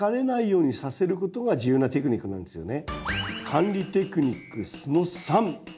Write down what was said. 管理テクニックその３！